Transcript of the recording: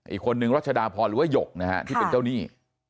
อีกคนนึงรัชดาพรหรือว่าหยกนะฮะที่เป็นเจ้าหนี้